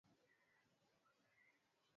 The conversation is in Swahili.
Ninauza mayai